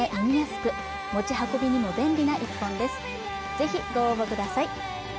ぜひご応募ください。